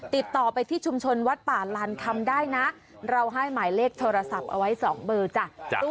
ติดต่อไปที่ชุมชนวัดป่าลานคำได้นะเราให้หมายเลขโทรศัพท์เอาไว้๒เบอร์จ้ะ